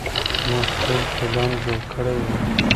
موږ ټول پلان جوړ کړى و.